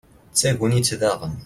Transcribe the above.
d tagnit daɣen